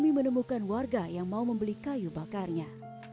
kami menemukan warga yang mau membeli kayu bakarnya